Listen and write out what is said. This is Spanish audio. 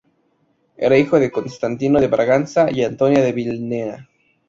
Era hijo de Constantino de Braganza y Antonia de Vilhena.